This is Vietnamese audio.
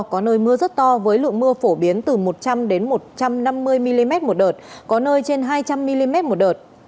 có nơi mưa rất to với lượng mưa phổ biến từ một trăm linh một trăm năm mươi mm một đợt có nơi trên hai trăm linh mm một đợt